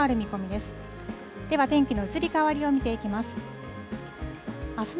では天気の移り変わりを見ていきます。